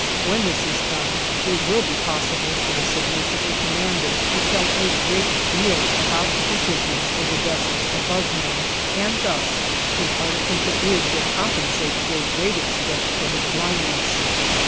When this is done, it will be possible for the submersible commander to tell a great deal about the positions of the vessels above him, and thus his artificial ears will compensate to a great extent for his blindness.